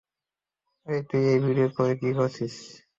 তুই এই ভিডিও কলে কী করছিস?